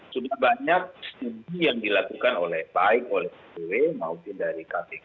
sudah banyak studi yang dilakukan oleh baik oleh ppw maupun dari kpk